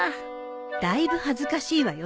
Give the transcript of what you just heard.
だいぶ恥ずかしいわよ